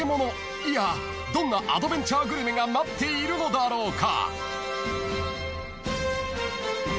［いやどんなアドベンチャーグルメが待っているのだろうか］